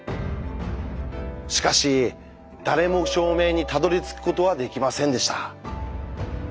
しかし誰も証明にたどりつくことはできませんでした。